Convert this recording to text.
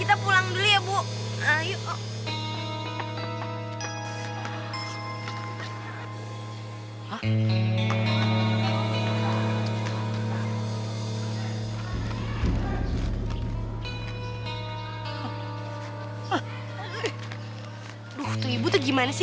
aduh tuh ibu tuh gimana sih